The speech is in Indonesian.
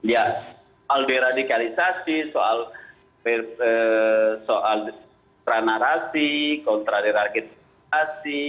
ya soal deradikalisasi soal tranarasi kontraderadikalisasi